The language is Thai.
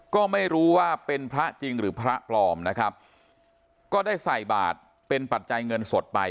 ก็ไม่รู้ว่าเป็นพระจริงหรือพระปลอมนะครับก็ได้ใส่บาทเป็นปัจจัยเงินสดไป